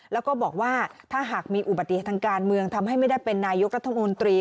แล้วก็บอกว่าถ้าหากมีอุบัติเหตุทางการเมืองทำให้ไม่ได้เป็นนายกรัฐมนตรี